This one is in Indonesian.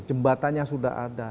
jembatanya sudah ada